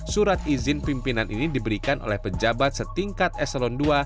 surat izin pimpinan ini diberikan oleh pejabat setingkat eselon ii